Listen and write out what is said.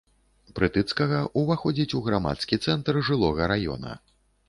Прытыцкага, уваходзіць у грамадскі цэнтр жылога раёна.